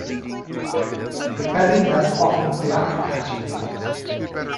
The belly has often black patterning.